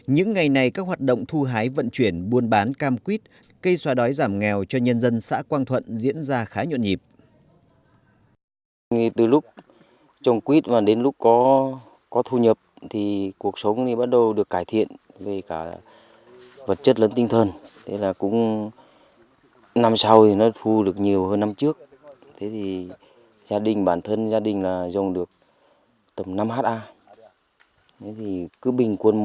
những ngày này các hoạt động thu hái vận chuyển buôn bán cam quýt cây so đoái giảm nghèo cho nhân dân xã quang thuận diễn ra khá nhuận nhịp